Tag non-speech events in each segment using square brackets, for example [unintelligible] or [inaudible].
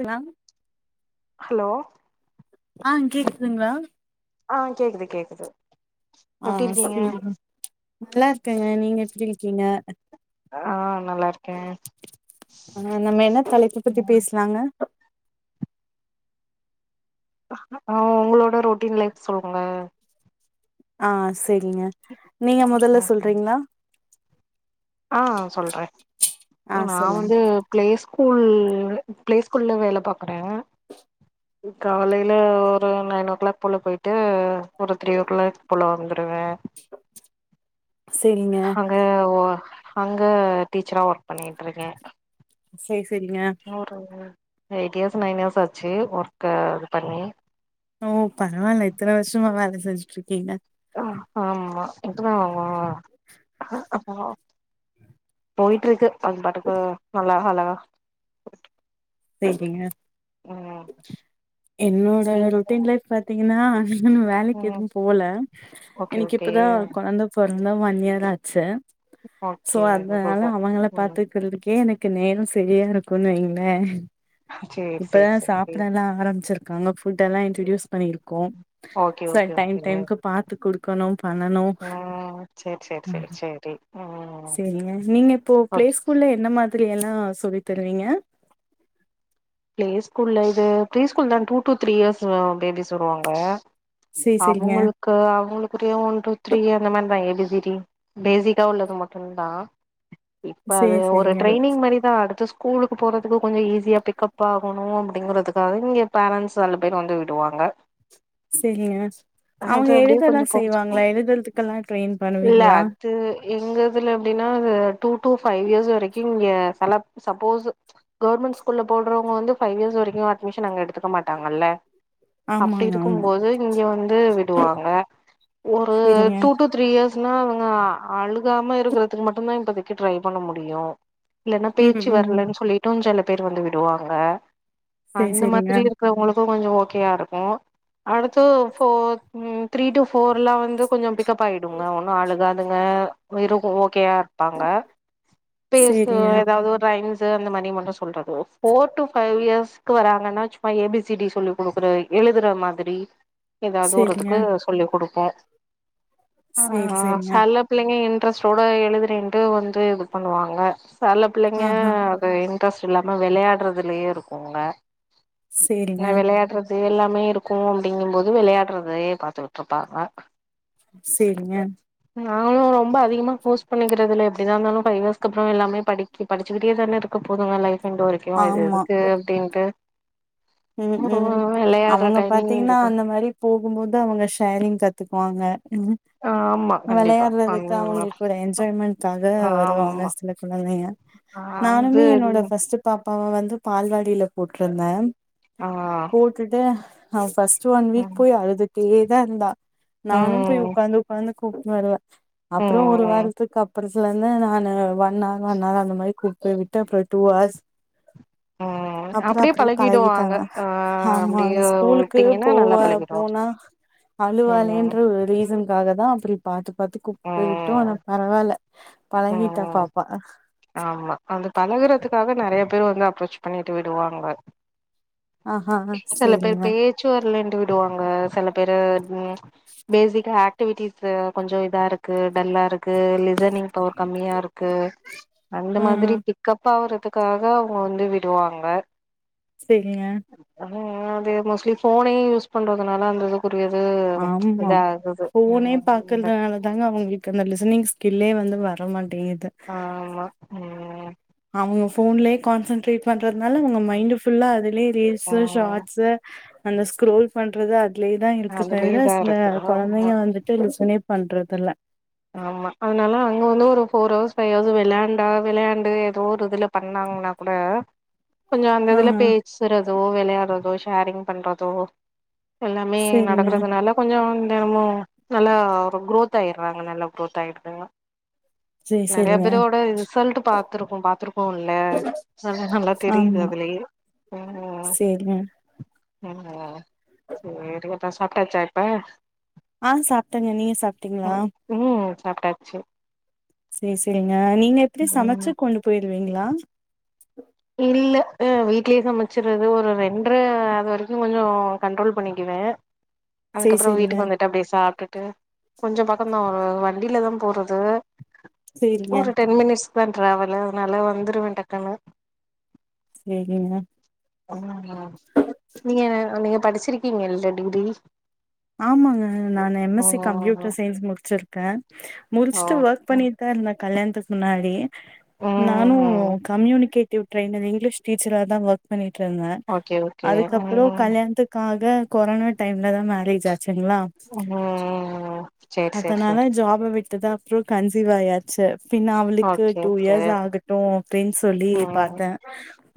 ங்களா ஹலோ ஆ கேக்குதுங்ளா ஆ கேக்குது கேக்குது ஆ எப்டி இருக்கீங்க சரிங்க நல்லா இருக்கேங்க நீங்க எப்டி இருக்கீங்க ஆ நல்லா இருக்கே ஆ நம்ம என்ன தலைப்பு பத்தி பேசலாங்க ஆ உங்களோட ரொட்டீன் லைஃப் சொல்லுங்க ஆ சரிங்க நீங்க மொதல்ல சொல்றீங்களா ஆ சொல்ற ஆ நா சொல்லுங்க வந்து பிளே ஸ்கூல் பிளே ஸ்கூல்ல வேல பாக்குற காலைல ஒரு நைன் ஓ கிளாக் போல போய்ட்டு ஒரு த்ரீ ஓ கிளாக் போல வந்துருவே செரிங்க அங்க ஓ அங்க டீச்சரா ஒர்க் பண்ணிட்ருக்கே செரி செரிங்க ஒரு எயிட் இயர்ஸ் நைன் இயர்ஸ் ஆச்சு ஒர்க்க இது பண்ணி ஓ பரவால்ல இத்தன வர்ஷமா வேல செஞ்சுட்ருக்கீங்க ஆமா [unintelligible] போயட்ருக்கு அது பாட்டுக்கு நல்லா அலகா செரிங்க என்னோட ரொட்டீன் லைஃப் பாத்தீங்கன்னா [unintelligible] வேலைக்கு ம் எதுவு போல ஓகே எனக்கு ஓகே இப்பதா கொழந்த போறந்தா ஒன் இயர் ஆச்சு சோ ஓகே அதனால குட் அவங்கள ம் பாத்துக்குறதுக்கே எனக் கு நேரோ சரியா இருக்குன் வைங்லே சேரி இப்பதா சேரி சேரி சாப்டலா ஆரம்பிச்சிருக்காங்க ஃபுட்டல்லா இன்ட்ரடியூஸ் பண்ணிருக்கோம் okay sir okay time okay டைம்க்கு பாத்து குடுக்கணும் பண்ணணு ம் சேரி சேரி அ சேரி சேரி ம் செரிங்க நீங்க இப்போ பிளே ஓகே ஸ்கூல்ல என்ன மாதிரியல்லா சொல்லி தருவீங்க ப்ளே ஸ்கூல்ல இது ப்ளே ஸ்கூல் தான் two two three years babies வருவாங்க சேரி சேரிங்க அவுங்களுக் கு அவுங்களுக்குரிய ஒன் டூ த்ரீ அந்த மாரிதா ஏபிசிடி பேசிக்கா உள்ளது மட்டுந்தா இப்ப அது சேரி ஒரு சேரிங்க ட்ரைனிங் மாரிதா அடுத்து ஸ்கூலுக்கு போறதுக்கு கொஞ்சோ ஈஸியா பிக்கப் பாகணு அப்டிங்கறதுக்காக இங்க பேரண்ட்ஸ் செல பேரு வந்து விடுவாங்க செரிங்க அது அவங்க அப்டியே எழுதலா கொஞ்சோ போகுச்சு செய்வாங்ளா எழுதுறதுக்கெல்லா ட்ரெயின் பண்ணுவீங்ளா இது எங்க இதுல எப்டினா அது டூ டூ ஃபைவ் இயர்ஸ் வரைக்கு இங்க சலப் சப்போஸ் கவுர்மெண்ட் ஸ்கூல்ல போட்றவங்க வந்து ஃபைவ் இயர்ஸ் வரைக்கு அட்மிஷன் அங்க எடுத்துக்க மாட்டாங்கல்ல ஆமாங்க ஆமா அப்டிருக்கும்போது இங்க வந்து விடுவாங்க ஒரு சேரிங்க டூ டு த்ரீ இயர்ஸ்னா அவங்க அழுகாம இருக்கிகுறதுக்கு மட்டுந்தா இப்பத்திக்கு ட்ரை பண்ண முடியு இல்லனா ம் பேச்சு ம் வரலன்னு சொல்லிட்டு செல பேர் வந்து விடுவாங்க சேரி அந்த சேரிங்க மாதிரி உங்களுக்கு கொஞ்சோ ஓகேயா இருக்கு அடுத்து ஃபோர் ம் த்ரீ டு ஃபோர்லா வந்து கொஞ்சோ பிக் க்கப்பாய்டுங்க ஒன்னு அழுகாதுங்க வெரு ஓகேயா இருப்பாங்க பேசு சேரிங்க ஏதாவது ஒரு ரைம்ஸூ அந்த மாரி மட்டு சொல்றது ஃபோர் டூ ஃபைவ் இயர்ஸ்க்கு வராங்கன்னா சும்மா ஏ பி சி டி சொல்லி குடுக்குற எழுதுற மாதிரி ஏதாது ஒரு சேரிங்க இதுக்கு சொல்லிக் குடுப்போ ஆ சேரி ஆ சேரிங்க செலப் பிள்ளைங்க இன்ட்ரெஸ்ட் ஓட எழுதுறட்டு வந்து இது பண்ணுவாங்க செல பிள்ளைங்க ஆஹா இன்ட்ரெஸ்ட் எல்லாம வெளையாட்றதுலயே இருக்குங்க சேரிங்க வெளையாட்றது து எல்லாமே இருக்கு அப்டிங்கும்போது வெளையாட்றதே பாத்துட்ருப்பாங்க செரிங்க நாங்களு ரொம்ப அதிகமா ஃபோர்ஸ் பண்ணிக்கறதுல்ல எப்டிதா இருந்தாலு ஃபைவ் இயர்ஸ்க்கு அப்பறோ எல்லாமே படி படிச்சுக்கிட்டே தானே இருக்க போதுங்க லைஃப் என்ட் வரைக்கு இது ஆமா எதுக்கு அப்டின்ட்டு ம் ம் அவங்க டைமிங் பாத்தீங்னா இதுதா அந்த மாரி போகும்போது அவுங்க ஷேரிங் கத்துக்குவாங்க ஆமா கண்டிப்பா வெளையாடுறதுக்கு அந்த அவுங்களுக்கு ஒரு என்ஜாய்மெண்ட்காக வருவாங்க ஆமா சில குழந்தைய அது நானுமே என்னோட ஃபஸ்ட் பாப்பாவ வந்து பால்வாடில போட்ருந்தே ஆ போட்டுட்டு அவ ஃபர்ஸ்ட் ஒன் வீக் ம் போய் அழுதுட்டே தா இருந்தா நானூ போயி ம் உக்காந்து உக்காந்து கூட்னு வருவே அப்பறோ ஒரு ம் வாரத்துக்கு அப் அப்பற சில இருந்து நானூ ஒன் ஹார் ஒன் ஹவர் அந்த மாரி கூப்ட்டு விட்டு அப்புற டூ ஹார்ஸ் ம் அப்றோ அப்படியே அப்டியே பழகிட் பழகிடுவாங்க டாங்க ஆ ஆமா அவுங்க அப்படியே ஸ்கூலுக்கு விட்டீங்கன்னா நல்லா போவ பழகிடுவாங்க போனா அழுவாலேன்ற ம் ஒரு ரீசன் காக தா அப்டி பாத்து பாத்து கூப்ட் போய் விட்டோ ஆனா ம் பரவால்ல பழகிட்டா ம் பாப்பா ஆமா அந்த பழகுறதுக்காக நெறைய பேர் வந்து அப்ரோச் பண்ணிட்டு விடுவாங்க ஆஹா செல பேர் சேரிங்க பேச்சுவர்லனு விடுவாங்க செல பேரு பேசிகா ஆக் டிவிட்டி கொஞ்சோ இதார்க்கு டல்லாருக் கு லிசனிங் பவர் கம்மியா இருக்கு அந்த ஆஹா மாதிரி பிக் க்கப் ஆவுறதுக்காக அவுங்க வந்து விடுவாங்க சரிங்க அனா அது மோஸ்ட்லி ஃபோனே யூஸ் பண்றதுனால அந்த இது புரியர்து ஆமா இதாகுது [unintelligible] எங்க அவுங்களுக்கு அந்த லிசனிங் ஸ்கில்லே வந்து வரமாட்டேங்குது ஆமா ம் அவுங்க ஃபோன்லே கான்சன்ட்ரேட் பண்றதுனால அஉங்க மைண்ட் ஃபுல்லா அது லே ரீல்ஸு ம் ஷார்ட்ஸு அந்த ஸ்குரோல் பண்றது அ துலேதா இருக்கு தவிர அதுலயேதா சில இருக்கு ஆமா கொழந்தைங்க வந்துட்டு லிசனே பண்றதில்ல ஆமா அதனால அங்க வந்து ஒரு ஃபோர் ஹவர்ஸ் ஃபைவ் ஹர்ஸ் விளையாண்டா விளையாண்டு ஏதோ ஒரு இதுல பண்ணாங்கன்னா கூட கொஞ்சோ அந்த ஆ இதுல பேச்சுறதோ விளையாடுறதோ ஷேரிங் பண்றதோ எல்லாமே சேரிங்க நடக்குறதுனால கொஞ்சோ தெனமு நல்லா ஒரு குரோத் ஆய்றாங்க நல்ல குரோத் ஆயிடுதுங்க சேரி நெறைய சேரிங்க பேரோட ரிசல்ட் பாத்திருக்கோ பாத்திருக்கோ ல்ல நல்லா தெரியுது ஆமா அதுலயே ம் சேரிங்க அ சேரிப்பாப்பா சாப்ட்டாச்சா இப்ப ஆ சாப்டேங்க நீங்க சாப்ட்டீங்களா உ சாப்ட்டாச்சு சேரி சேரிங்க நீங்க எப்டி சமச்சு ம் கொண்டு போயிருவீங்களா இல்ல வீட்லே சமச்சிறது ஒரு ரெண்டர அது வரைக்கு கொஞ்ச கண்ட்ரோல் பண்ணிக்குவே சேரி அதுக்கப்புறோ சேரிங்க வீட்டுக்கு வந் அப்டியே சாப்ட்டுட்டு கொஞ்ச பக்கதா ஒரு வண்டியிலதா போறது சேரிங்க ஒரு டென் மினிட்ஸ் தா டிராவலு அத நாலா வந்துருவே டக்குனு சேரிங்க நீங்க நீங்க படிச்சிருக்கீங்கல்ல டிகிரி ஆமாங்க நானு எம் எஸ் சி ம் கம்ப்யூட்டர் சையின்ஸ் முடிச்சிருக்கே ஓ முடிச்சிட்டு ஒர்க் பண்ணிட் டு தா இருந்தே கல்யாணதுக்கு முன்னாடி ம் நானு ம் கம்யூனிகேட் ட்ரெய்னரி இங்கிலீஷ் டீச்சரா தா ஒர்க் பண்ணிட்டு இருந்த ஓகே ஓகே அதுக்கப்புற ம் கல்யாணத்து க்காக கொரோனா டைம்ல தா மேரேஜ் ஆச்சுங்களா ம் ம் ம் ம் அதனால ஜாப விட்டதா அப்புறோ கன்சீவ் ஆயா ச்சு பின்ன அவளுக்கு ஓகே டூ ஓகே இயர்ஸ் ஆகட்டு அப்டின்னு சொல்லி ம் பாத்த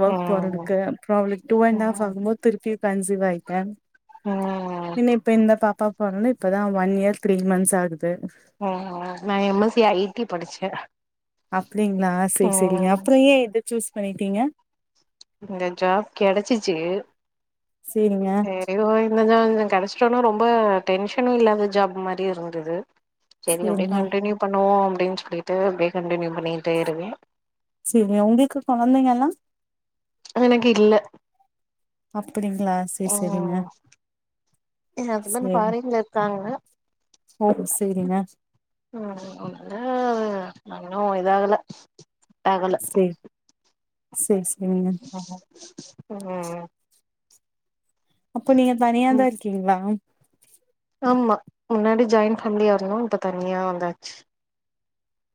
வோர்க் ம் போறதுக்கு அப்றோ அவளுக் டூ அண்ட் ஹாஃப் ம் ஆகும்போது திருப்பியு கன்சிவாயிட்ட ம் இன்ன இப்ப இந்த பாப்பா போனோனே இப்பதா ஒன் இயர் த்ரீ மந்ஸ் ஆகுது ஒ ஒ நா M S C I T படிச்ச அப்பிடிங்களா சேரி சேரிங்க அப்புறோ ஏ இத சூஸ் பண்ணிட்டீங்க இந்த ஜாப் கெடச்சிச்சி சேரிங்க சேரி ஓ இந்த ஜா கெடச்சிட்டோனா ரொம்ப டென்ஷனு இல்லாத ஜாப் மாரி இருந்துது சேரி அப்டே சேரிங்க கண்டினியூ பண்ணுவோ அப்டின் சொல்லிட்டு அப்டியே கண்டினியூ பண்ணிட்டே இருக்கே சேரி உங்களுக்கு குழந்தைங்கல்லா அது எனக்கு இல்ல அப்படிங்களா சேரி சேரிங்க ஏ ஹஸ்பண்ட் ஃபாரின்ல இருக்காங்க ஓ செரிங்க உ இன்னு அது ஒன்னு இதாகல ஆகல சேர் சேரி சேரிங்க ம் ம் அப்ப நீங்க தனியாதா இருக்கீங்களா ஆமா முன்னாடி ஜாயிண்ட் ஃபேமிலியா இருந்தோ இப்ப தனியா வந்தாச்சி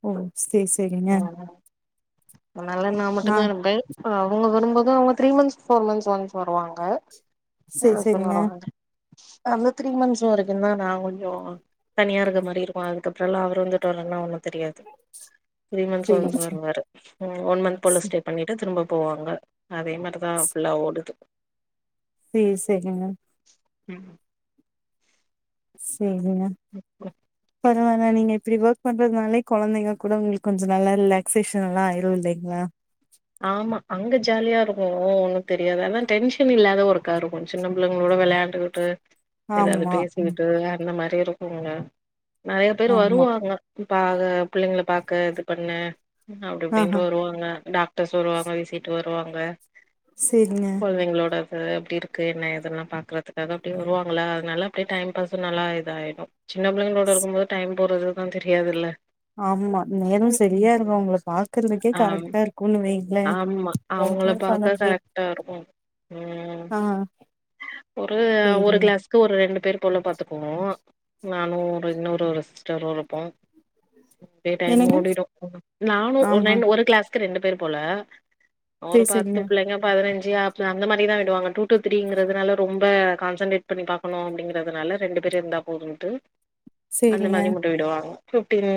ஓ சே சே [inaudible] அதனால நா மட்டுதா இருப்ப அவுங்க வரும்போது அவுங்க three months four months once வருவாங்க எ செரி ஹஸ்பண்ட் செரிங்க வருவாங்க அந்த த்ரீ மன்த்ஸ் வரைக்குதா நா கொஞ்சோ தனியா இருக்க மாரி இருக்கு அதுக்கப்புறோல்லா அவரு வந்துட்டோன்னேலா ஒன்னு தெரியாது [inaudible] த்ரீ மன்த்ஸ் செரி ஒன்ஸ் வருவாரு ம் ஒன் மன்த் போல் செரி ஸ்டே பண்ணிட்டு திரும்ப போவாங்க அதே மாரி தா ஃபுல்லா ஓடுது சேர் சேரிங்க ம் சேரிங்க [inaudible] பரவால நீங்க இப்டி ஓர்க் பண்றதுனாலே கொழந்தைங்க கூட உங்களுக்கு கொஞ்ச நாள்ளா இல்ல ஷிஷன் எல்லா ஆயிரு இல்லைங்களா ஆமா அங்க ஜாலியா இருக்கு ஒன்னு தெரியாது அதா டென்ஷன் இல்லாத ஓர்க்கா இருக்கு சின்ன பிள்ளைங்களோட விளையாண்டு ட்டு எதாது ஆமா ம் பேசிக்கிட்டு அந்த மாரி இருக்குங்க நெறைய பேரு ஆமா வருவாங்க பாக பிள்ளைங்கள பாக்க இது பண்ண அப்டி ஆஹா இப்டின்னுட்டு வருவாங்க டாக் டர்ஸ் வருவாங்க விசிட்டு வருவாங்க சேரிங்க கொழந்தைங்களோட அது அப்டி இருக்கு என்ன ஏதுன்லா பாக்கறதுக்காக அப்டியே வருவாங்கள அதனால அப்டே டைம் பாஸ் நல்லா இதாயிடு‌சின்ன பிள்ளைங்களோட இருக்கும் போது டைம் போறதுதா தெரியாதுல்ல ஆமா நேரோ செரியா இருக்கு அவுங்கள பாக்குறதுக்கே ஆம் கரெக்ட்டா இருக்கும்ன்னே ஆமா அவுங்கள பாக்க கரெக்டா இருக்கு ம் ஆ ஒரு ஒரு சேரிங்க கிளாஸ் க்கு ஒரு ரெண்டு பேரு போல பாத்துக்குவோ நானு ஒரு இன்னொரு ஒரு சிஸ்டரு இருப்போ அப்டியே டைம் என்னங்க ஓடிடு ம் நானு ஒரு நை ஆமா ஒரு கிளாஸ்க்கு ரெண்டு பேரு போல ஒரு சேரி பத்து சேரிங்க பிள்ளைங்க பதினஞ்சு அ அந்த மாரிதா ஆயிடுவாங்க டூ டூ த்ரீங்கிறதுனால ரொம்ப கான்சன்ட்ரேட் பண்ணி பா பண்ணுவோ அப்டிங்கிறதுனால ரெண்டு பேர் இருந்தா போதுன்ட்டு அந்த சேரிங்க மாரி முடுவிடுவாங்க ஃபிஃப்டீன்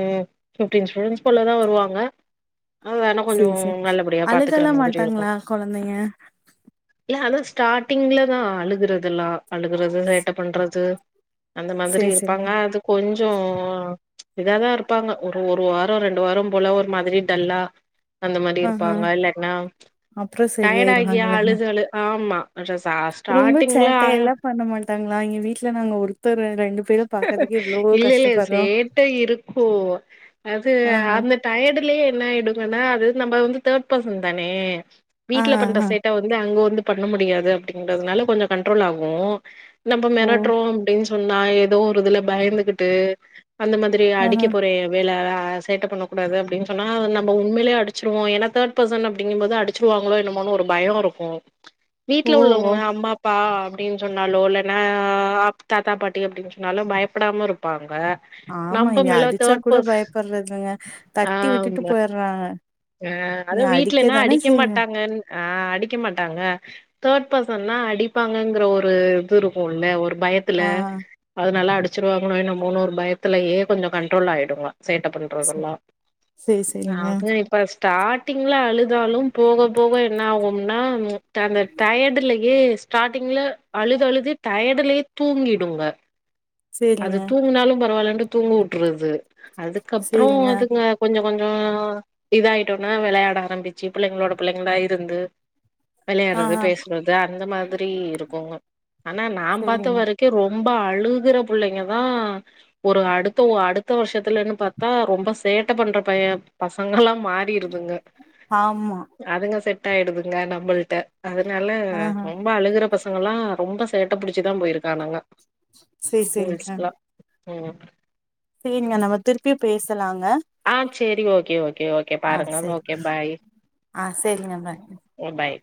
ஃபிஃப்டின் ஸ்டூடெண்ட்ஸ் போல தா வருவாங்க அது வேணா கொஞ்சோ சேரி சேரி நல்லபடியா பாத்துக்கற அழுகலா மாதிரி இருக்கு மாட்டாங்களா கொழந்தைங்க இல்ல ஆனா ஸ்டாட்டிங்லதா அழுகுறதுல்லா அழுகுறது சேட்ட பண்றது அந்த மாதிரி சேரி இருப்பாங்க சேரிங்க அது கொஞ்சோ இதாதாருப்பாங்க ஒரு ஒரு வாரோ ரெண்டு வாரோம் போல ஒரு மாதிரி டல்லா அந்த மா ஆஹா ப்பாங்க இல்லட்னா அப்றோ டயடு ஆகி சரியாயிருவாங்க இல்லைங்க அழுது அழு ஆம்மா ரொம்ப சேட்டை எல்லா பண்ண மாட்டாங்ளா இங்க வீட்ல நாங்க ஒருத்தர் ரெண்டு பேர இல்ல இல்ல சேட்ட இருக்கு அது ஆஹா அந்த டயடுலயே என்ன ஆயிடுங்கன்னா அது நம்ம வந்து தேட் பெசன் தானே ஆ வீட்ல பண்ற ஆஹா சேட்ட வந்து அங்க வந்து பண்ண முடியாது அப்டிங்றதுனால கொஞ்சோ கன்ட்ரோல் ஆகு நம்ம ஓ மெரட்றோ அப்டின் சொன்னா ஏதோ ஒரு இதுல பயந்துகுட்டு அந்த மாதிரி ஆஹா அடிக்க போறே வேல அ சேட்ட பண்ணக்கூடாது அப்டின் சொன்னா நம்ம உண்மைலே அடிச்சிருவோ ஏன்னா தேட் பெசன் அப்டிங்கும்போது அடிச்சிருவாங்ளோ என்னமோனு ஒரு பயோ இருக்கு ஓ வீட்ல ஓ உள்ளவங்க அம்மா ப்பா அப்டின் சொன்னாலோ இல்லன்னா அ தாத்தா பாட்டி அப்டின் சொன்னாலோ பயப்படாம இருப்பாங்க ஆமா நம்ப இங்க மேல அடிச்சா தேர்ட் கூட பர்ஸ் பயப்பட்றதுங்க தட்டி விட்டுட்டு போயர்றாங்க அ அது வீட்லனா அடிக்க மாட்டாங்கன் ஆ அடிக்க மாட்டாங்க தேட் பெசன்னா அடிப்பாங்கங்கற ஒரு இதுருக்குல்ல ஒரு பய துல ஆ அதுனால அடிச்சுருவாங்ளோ என்னமோனு ஒரு பயத்துலயே கொஞ்சோ கன்ட்ரோல் ஆயிடுங்க சேட்ட ப ண்றதெல்லா சேரி சேரிங்க அது இப்ப ஸ்டாட்டிங்ல அழுதாலும் போக போக என்ன ஆகும்னா அந்த டயடுலயே ஸ்டாட்டிங்ல அழுது அழுது டயடுலயே தூங்கிடுங்க அது சேரிங்க தூங்குனாலு பரவால்லன்டு தூங்க வுட்றது அதுக்கப்றோ சேரிங்க அதுங்க கொஞ்ச கொஞ்சோ இதாயிட்டோன்னா வெளையாட ஆரம்பிச்சு பிள்ளைங்களோட பிள்ளைங்களா இருந்து வெளையாட்றது ஆஹா பேசுறது அந்த மாதிரி இருக்குங்க ஆனா நா பாத்த சேரிங்க வரை க்கு ரொம்ப அழுகுற புள்ளைங்க தா ஒரு அடுத்த அடுத்த வருஷத்துலன்னு பாத்தா ரொம்ப சேட்ட பண்ற பய பசங்கல்லா மாறி ருதுங்க ஆமா அதுங்க செட் ஆயிடுதுங்க நம்மள்ட்ட அதுனால ஆஹா ரொம்ப அழுகுற பசங்கல்லா ரொம்ப சேட்ட புடிச்சிதா போயிருக்கானுங்க சேரி சேரி ஆ ஸ்கூல்ஸ்ல்லா ம் சேரிங்க நம்ம திருப்பியு பேசலாங்க ஆ சேரி ஓக்கே ஓக்கே ஓக்கே ஆ பாருங்க சேரி ஓக்கே பாய் ஆ சேரிங்க பாய் ஓ பாய்